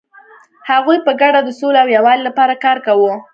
هغوی په ګډه د سولې او یووالي لپاره کار کاوه.